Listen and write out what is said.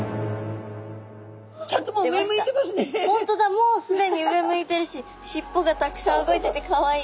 もうすでに上向いてるししっぽがたくさん動いててかわいい。